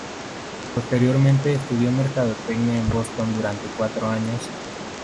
Posteriormente estudió mercadotecnia en Boston durante cuatro años.